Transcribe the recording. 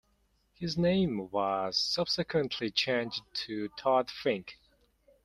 His name was subsequently changed to Todd Fink.